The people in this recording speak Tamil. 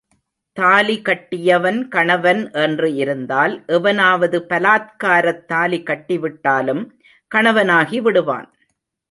தாலி கட்டியவன் கணவன் என்று இருந்தால் எவனாவது பலாத்காரத் தாலி கட்டிவிட்டாலும் கணவனாகி விடுவான்.